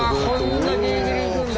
あこんなギリギリ行くんだ。